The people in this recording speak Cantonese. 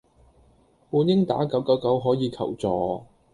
本應打九九九可以求助